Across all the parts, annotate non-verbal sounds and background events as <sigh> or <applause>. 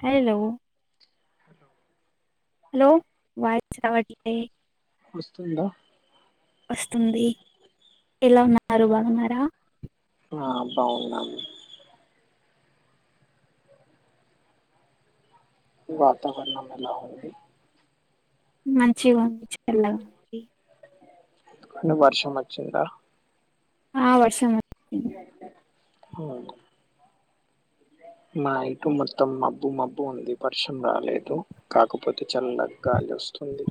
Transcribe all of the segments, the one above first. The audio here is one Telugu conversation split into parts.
హలో హలో హలో వాయిస్ రావట్లే వస్తుందా వస్తుంది ఎలా ఉన్నారు బాగున్నారా ఆ బాగున్నాము వాతావరనం ఎలా ఉంది మంచిగా ఉంది చల్లగా ఉంది వర్షం వచ్చింద ఆ వర్షం ఆవు <inaudible> మా ఇటు మొత్తం మబ్బు మబ్బు ఉంది వర్షం రాలేదు కాకపోతే చల్లగా గాలి వస్తుంది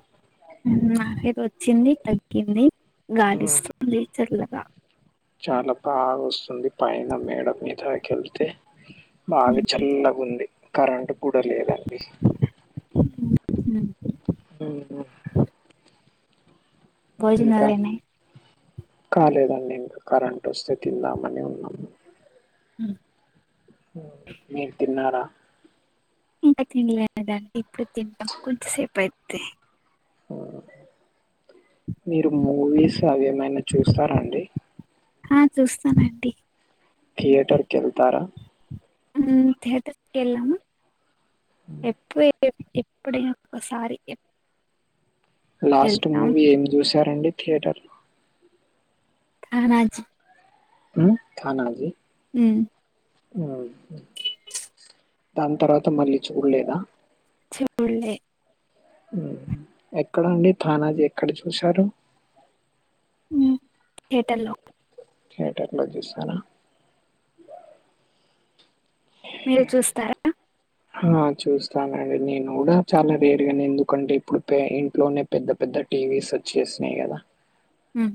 చింది తగ్గింది ఉమ్, గాలీస్తుంది చల్లగా ఉంది పైన మేడ మీదాక వెళ్తే బాగా చల్లగా ఉంది కరెంట్ కూడ లేదండి ఉమ్, ఉ ఇంక భోజనాలేనే కాలేదండి కరెంట్ వస్తే తిందామని ఉన్నాము. అ మీరు తిన్నారా? ఇంకా తినలేదాండి ఇప్పుడు తింటాం కొద్ధి సేపుయితే మీరు మూవీస్ అవిమైనా చూస్తారాండి? ఆ చూస్తానండి థియేటర్ కెళ్తారా? హు ధియేటర్ కి కెళ్ళాము ఎప్పు ఏ ఎప్పుడయినా ఒకసారి ఎ లాస్ట్ మూవీ ఏం చూసారండి థియేటర్ లో? ఆనాజీ ఉమ్ తానాజీ ఉమ్ అఓ దాని తర్వాత మళ్ళీ చూడలేదా? చూళ్లే ఎక్కడ అండి తానాజీ, ఎక్కడ చూశారు? ఉమ్ థియేటర్ లో దియేటర్ లో చూసారా మీరు చూస్తారా? ఆ చూస్తానండి నేను కూడా చాలా రేరుగాను ఎందుకంటే ఇప్పుడు పె ఇంట్లోనే పెద్ద పెద్ద టీవీస్ వచ్చేసినాయి కదా ఉమ్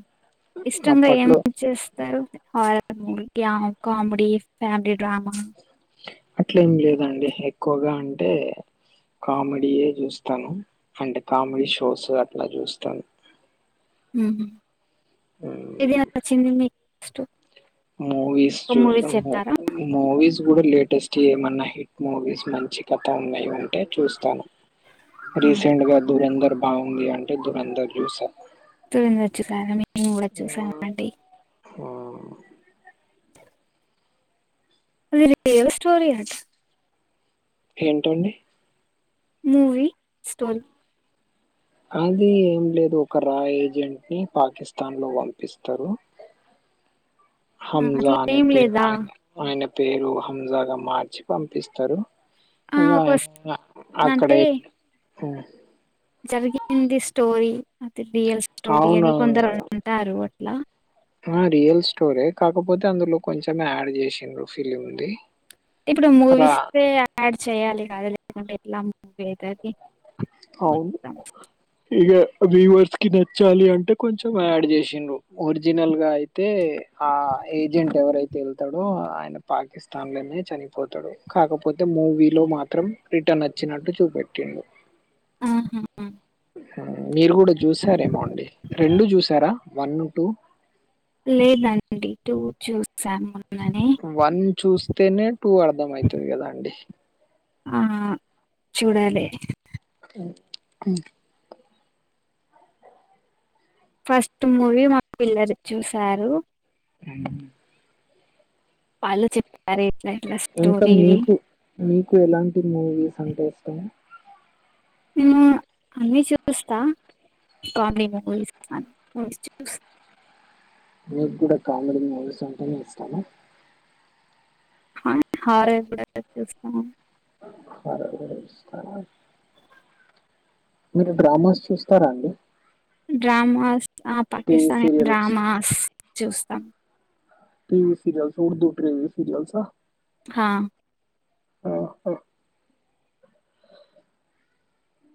ఇష్టంగా ఏం అప్పట్లో చేస్తారు హారర్ మూవీ యమం కామెడి ఫ్యామిలీ డ్రామాస్ అట్లేం లేదండి ఎక్కువగా అంటే కామెడీయే చూస్తాను అంటే కామెడీ షోస్ అట్లా చూస్తాను. ఉమ్ ఉమ్, ఇది అంత చిందింది స్టు మూవిస్ చూస్తాము మూవీస్ కూడా లేటెస్ట్ ఏమన్నా హిట్ మూవీస్ మంచి కథ ఉన్నాయి. ఏ చూస్తాను రీసెంట్ గా దురంధర్ బావుంది అంటే దురంధర్ చూస దురంధర్ చుసారా మేము కూడా చూసాం అండి. ఆ, అది రియల్ స్టోరి ఆటా ఏంటండీ? మూవీ స్టోరీ అది ఏం లేదు ఒక రాయ్ ఏజెంట్ ని పాకిస్తాన్ లో పంపిస్తారు. హంజా అట్లా అనే ఏం పేరు లేదా ఆయ ఆయన పేరు హంజాగా మార్చి పంపిస్తారు. ఆ ఇగా ఒక స్- ఇంగా అక్కడ అంటే ఏ మ్ జరిగింది స్టోరీ అ రియల్ స్టోరీ అని కొందరు అవునవును అంటారు అట్లా ఆ రియల్ స్టోరీ కాకపోతే అందులో కొంచెమే యాడ్ చేసిండ్రు ఫిలిమ్ది. ఇప్పుడు మూవీస్ దే యాడ్ చేయ్యాలి కదా లేకుంటే ఎట్లా మూవీ అయితది అవును ఇగ రీవర్స్ కి నచ్చాలి అంటే కొంచెం యాడ్ చేసిండ్రు ఒరిజినల్ గా అయితే ఆ ఏజెంట్ ఎవరైతే వెళ్తాడో ఆయన పాకిస్తాన్ లోనే చనిపోతాడు కాకపోతే మూవీలో మాత్రం రిటర్న్ అచ్చినట్టు చూపెట్టిండు ఆహా మీరు కూడా చూసారేమోండి రెండు చూసారా వన్ టూ లేదండి టూ చూసాము మొన్ననే వన్ చూస్తేనే టూ అర్ధమయితది కదా అండి ఆ చూడలె ఫస్ట్ మూవీ మా పిల్లర్ చూసారు ఉమ్ వాళ్ళు చెప్పారు ఇట్లే ఇంకా మీకు మీకు ఎలాంటి మూవీస్ అంటే ఇష్టం నేను అన్నీ చూస్తా కామెడీ మూవీస్ అన్ని మూవీస్ చుస్ మీకు గుడా కామెడీ మూవీస్ అంటేనే ఇష్టమా హా హారర్ కూడా చూస్తాను హారర్ కూడా చూస్తారా మీరు డ్రామాస్ చూస్తారా అండి డ్రామాసా ఆ టీవీ పాకిస్తానీ సీరియల్స్ డ్రామాస్ చూస్తాం టీవీ సిరియల్స్ ఉర్దూ టీవీ సిరియల్సా హా అహ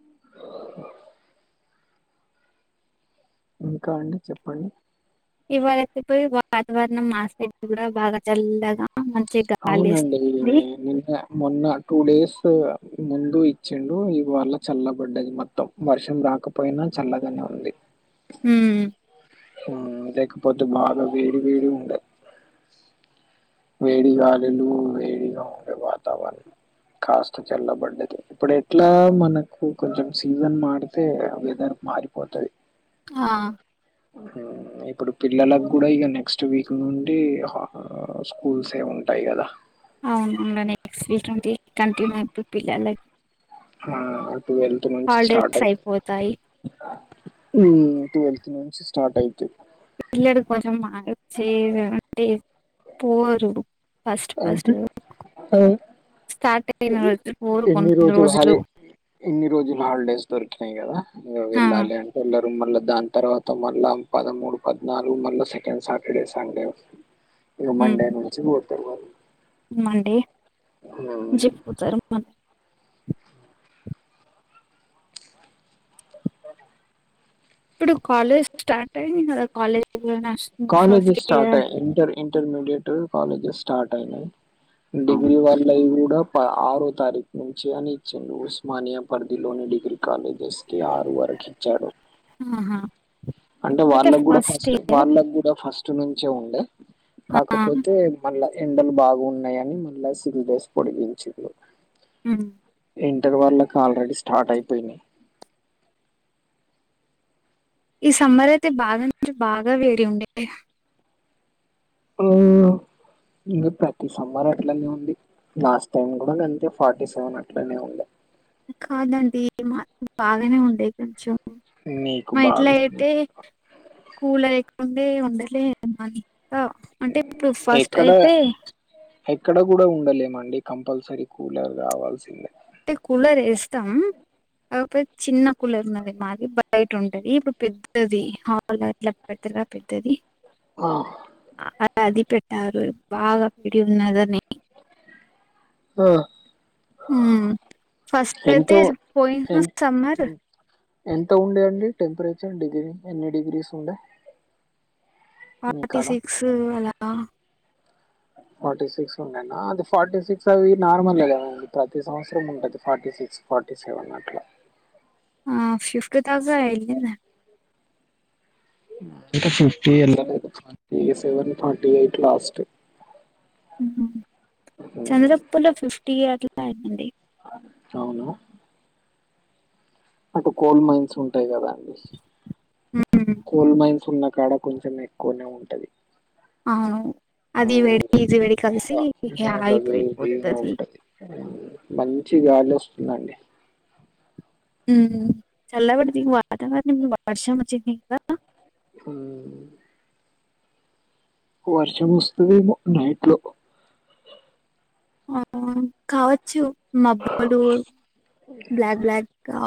<inaudible> ఇంకా అండి చెప్పండి ఇవాళ అయితే పోయి వాతావరణం మా సైడ్ కూడా బాగా చల్లగా మంచి గాలి అవునండి వేస్తుంది నిన్న మొన్న టూ డేస్ ముందు ఇచ్చిండు ఇవాళ చల్ల బడ్డది మొత్తం వర్షం రాకపోయినా చల్లగనే ఉంది ఊ ఉ లేకపోతే బాగా వేడి వేడిగుండె వేడిగాలిలు వేడిగా ఉండే వాతావరణ కాస్త చల్లబడ్డది ఇప్పుడు ఎట్లా మనకు కొంచెం సీజన్ మాడితే వెదర్ మారిపోతది ఆ ఇప్పుడు పిల్లలకు కూడా ఇగ నెక్స్ట్ వీక్ నుండి హ స్కూల్స్ ఏ ఉంటాయి కదా అవును ఇంగ నెక్స్ట్ వీక్ నుండి కంటిన్యూ అయిపోయి పిల్లలకి ఆ టువెల్త్ నుంచి స్టార్ట్ హాలిడేస్ అయితుంది అయిపోతాయి ఉ ట్వెల్త్ నుంచి స్టార్ట్ అయితయ్ ఈ ఇయర్ కొంచం మ చే అంటే పోరు ఫస్ట్ ఫస్ట్ అంటె ఆ స్టార్ట్ అయిన రోజు పోరు ఎన్ని కొన్ని హాలి రోజులు ఇన్ని రోజులు హాలిడేస్ దొరికినాయి కదా ఆ వెళ్ళాలి అంటె వెళ్ళరు మళ్ళా దాని తర్వాత మళ్ళా పదమూడు పద్నాలుగు మళ్ళా సెకండ్ సాటర్డే సండే ఇగ ఉమ్ మండే నుంచి బోతరు వాళ్ళు మండే జెప్పుపోతారు ఇప్పుడు కాలేజ్ స్టార్ట్ అయింది కదా కాలేజ్ వస్తుంది ఫస్ట్ కాలేజెస్ స్టార్ట్ ఇయర్ అయ్ inter in intermediate colleges start అయినాయి డిగ్రీ అవును వాళ్ళవి కూడా ఆరో తారీఖు నుంచి అని ఇచ్చిండు ఉస్మానియా పరిధిలోని డిగ్రీ కాలేజ్ జస్కి ఆరు వరకు ఇచ్చాడు ఆహా అంటే ఇప్పుడైతే వాళ్ళకి కూడా ఫస్ట్ ఇయర్ వాళ్ళక్ ఫస్ట్ నుంచే ఉండే ఆ కాకపోతే మళ్ళ ఎండలు బాగున్నాయని మళ్ళా సిక్స్ డేస్ పొడిగించిండు ఉ ఇంటర్ వాళ్ళకి ఆల్రెడీ స్టార్ట్ అయిపోయినాయ్ ఈ సమ్మర్ అయితే బాగా నుంచి బాగా వేడి ఉండే ఆ ఇంగ ప్రతి సమ్మర్ అట్లనే ఉంది లాస్ట్ టైమ్ కూడా గంతే ఫార్టీ సెవెన్ అట్లనే ఉండే కాదండి మా బాగానే ఉండే కొంచెం మీకు మా ఇట్లా బాగుంది అయితే కూల ఉండే ఉండలేమాకా అంటే ఇప్పుడు ఫస్ట్ ఎక్కడ అయితే ఎక్కడ కూడా ఉండలేమండి కంపల్సరీ కూలర్ కావాల్సిందే అంటే కూలరేస్తాం కపోతే చిన్న కులరు ఉన్నది మాది బయట ఉంటది ఇప్పుడు పెద్దది హాల్ల ఇట్ల పెద్దగా పెద్దది ఆ అ- అది పెట్టారు బాగా వేడున్నదని ఆ ఫస్ట్ ఐతే ఎంతో పోయి ఎన్ సమ్మర్ ఎన్- ఎంత ఉండే అండి టెంపరేచర్ డిగ్రీ ఎన్ని డిగ్రీస్ ఉండే ఫార్టీ మీకాడ సిక్స్ అలా <inaudible> ఫార్టీ సిక్స్ ఉండేనా అది ఫార్టీ సిక్స్ అవి నార్మలే కదండి ప్రతి సంవత్సరం ఉంటది ఫార్టీ సిక్స్ ఫా ర్టీ సెవెన్ అట్లా ఫిఫ్టీ దాకా వెళ్ళింది ఇంగ ఫిఫ్టీ ఎళ్ళలేదు ఇగ సెవెన్ ఫార్టీ ఎయిట్ లాస్ట్ చంద్రప్పు లో ఫిఫ్టీ అట్ల అయింది అవును అటు కోల్డ్ మైన్స్ ఉంటాయి కదా అండి ఉమ్. కోల్డ్ మైన్స్ సున్న కాడ కొంచెం ఎక్కువనే ఉంటది అవును అది వెడి ఇది వెడి కలిసి బా నాకు హైప్ అదే ఇదిగా అయిపోతది ఉంటది మంచి గాలి వస్తుందండి హ చల్లపడతది వాతావరణం వర్షం వచ్చింది కదా ఊ వర్షం వస్తదేమో నైట్ లో ఆ కావచ్చు మాబ్బోలు బ్లాక్ బ్లాక్ గా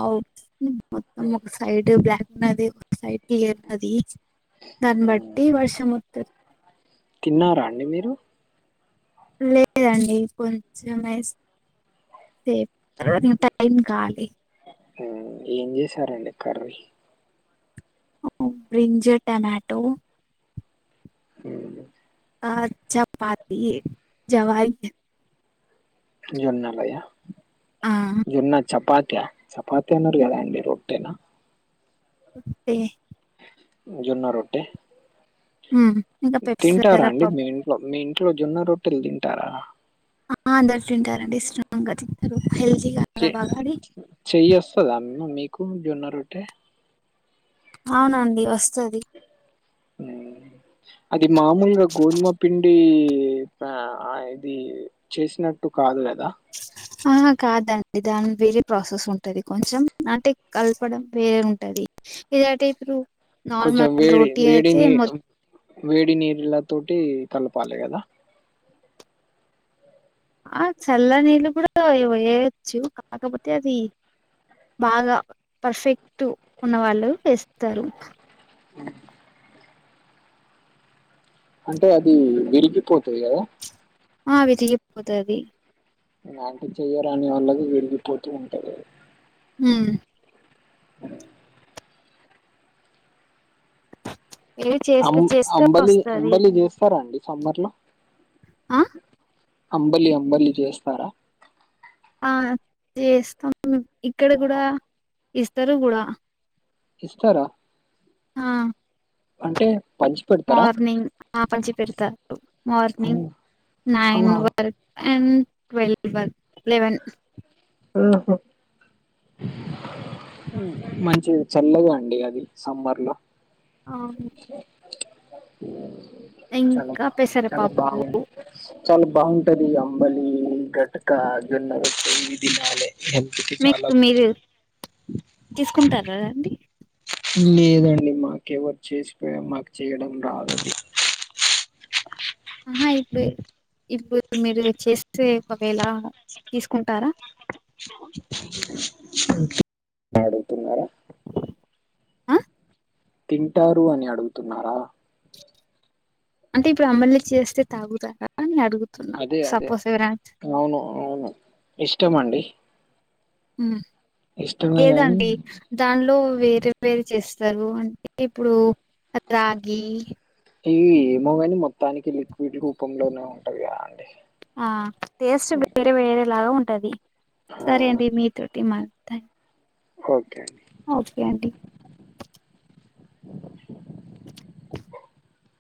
మొత్తం ఒక సైడ్ బ్లాక్ ఉన్నది సైడ్ కి ఎత్తది దాన్ని బట్టి వర్ష మొత్త తిన్నారా అండి మీ లేదండి కొంచమే సేఫ్ త టైం కాలి ఊమ్ ఏం జేసారండి కర్రి ఉమ్ బ్రింజ ట్యమాటో ఇంకేంటండి ఆ చపాతి జవాయ్ జొన్నాలయ ఆ జొన్నా చపాత్ త్య చపాతి అనర్ గదండి రొట్టెన ఉప్పె జొన్నరొట్టె ఇంకా పెప్సీ తింటారా అండి పప్పు మి ఇంట్లొ మి ఇంట్లొ జొన్న రొట్టెల్ దింటారా ఆ అందర్తింటారండి ఇష్టంగా తిన్ చె చెయ్యొస్తదా అమ్మ మీకు జొన్న రొట్టె ఔనండి వస్తది హ్మ్. అది మామూల్గ గోధుమపిండీ ఆ ఆ ఇదీ చేస్నట్ ట్టు కాదు గద అహ కాదండి దాన్ వేరే ప్రాసెస్సుంటది కొంచెం అంటె కల్పడం వేరుంటది ఎలంటె ఇప్పురు కొంచం వేడి వేడి నీ అమ్ వేడి నీళ్ల తోటీ కలపాలె గద ఆ చల్ల నీళ్ళు కుడా వెయ్ యెయచ్చు కాకపొతె అది బాగా పర్ఫెక్ట్ ఉన్నవాళ్ళు వేస్తారు ఉమ్ అంటే అదీ విరిగిపోతది గద ఆ అవి తిగిప్పోతాది అలాంటి చెయ్యరాని వాల్లది వెళ్ళిపోతూ ఉంటది. ఉమ్ ఏవి అం చేస్తే చేస్తే అంబలి వస్తుంది అంబలి జేస్తార అండి సమ్మర్ లొ అ అంబలి అంబలి జేస్తార ఆ జేస్తామ్ ఇక్కడ గుడా ఇస్తరు గుడా ఇస్తర ఆ పంచి పెడతారా మార్నింగ్ ఆపంచి పెర్త మార్నింగ్ ఆ nine work and twelve eleven అన్హు ఉమ్ మంచిది చల్లదు అండి అది సమ్మర్ లొ ఔను. ఇంకా చలబా చల పెసరపప్పు బాగుందన్పిస్ చాల బాగుంటది అంబలీ గట్క గన్నె రొట్టె ఇది దినాలె మీక్ మీరూ తీసుకుంటారారండి లేదండి మాకెవ్వరు చేస్పే మాక్చేయడం రాదది అహా ఇప్డి ఇప్పుడు మీరు చేస్తే ఒకవేళా తీస్కుంటార అడుగుతున్నార అ తింటారు అని అడుగుతున్నారా అంటే ఇప్పుడు అంబలి చేస్తే తాగుతారా అని అడుగు అదే అదే అవును అవును ఇష్టమండి గాని ఏదంటి దానిలో వేరే వేరు చేస్తారు అంటే ఇప్పుడు రాగి ఈ ఏమో కాని మొత్తానికి లిక్విడ్ రూపంలోనే ఉంటది కద అండి ఆ టేస్ట్ వేరే వేరేలాగా ఉంటది ఆ సరే అండి మీతో మా థ్యాంక్ ఓకే ఓకే అండీ